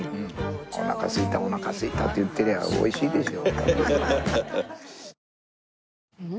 おなか空いたおなか空いたって言ってりゃ美味しいでしょう。